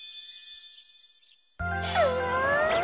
うん！